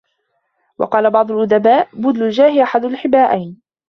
وَقَالَ بَعْضُ الْأُدَبَاءِ بَذْلُ الْجَاهِ أَحَدُ الْحِبَاءَيْنِ